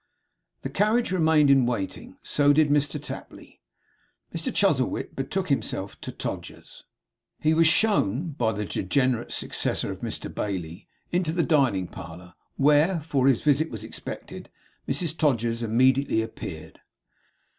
The carriage remained in waiting; so did Mr Tapley. Mr Chuzzlewit betook himself to Todger's. He was shown, by the degenerate successor of Mr Bailey, into the dining parlour; where for his visit was expected Mrs Todgers immediately appeared.